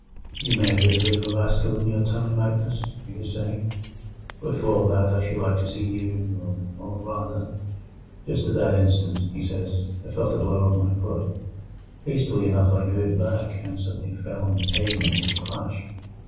"You may have been a bit of a rascal in your time, Magnus," he was saying, "but for all that I should like to see you, or, rather—" "Just at that instant," he says, "I felt a blow on my foot. Hastily enough I drew it back, and something fell on the pavement with a clash.